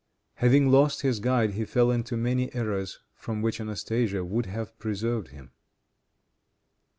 Having lost his guide, he fell into many errors from which Anastasia would have preserved him.